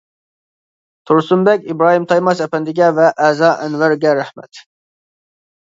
تۇرسۇنبەگ ئىبراھىم تايماس ئەپەندىگە ۋە ئەزا ئەنۋەرگە رەھمەت!